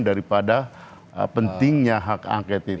daripada pentingnya hak angket itu